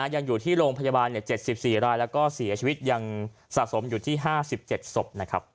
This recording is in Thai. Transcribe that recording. ยังอยู่ที่โรงพยาบาล๗๔รายแล้วก็เสียชีวิตยังสะสมอยู่ที่๕๗ศพ